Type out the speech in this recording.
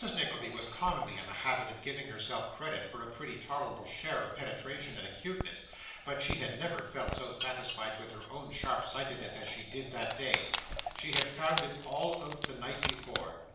Nickleby was commonly in the habit of giving herself credit for a pretty tolerable share of penetration and acuteness, but she had never felt so satisfied with her own sharp sightedness as she did that day. She had found it all out the night before.